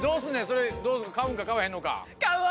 それ買うんか買わへんのか。